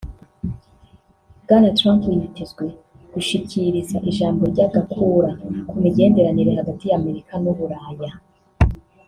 Bwana Trump yitezwe gushikiriza ijambo ry'agakura ku migenderanire hagati ya Amerika n'Uburaya